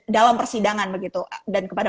dalam persidangan begitu dan kepada